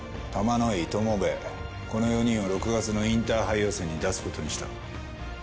この４人を６月のインターハイ予選に出す事にした。